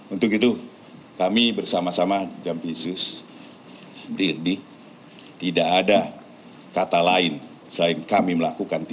untuk itu kami bersama sama jampisus dirdi tidak ada kata lain selain kami melakukan tindakan di sini